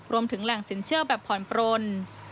รวมถึงแหล่งสินเชื่อแบบผ่อนปลน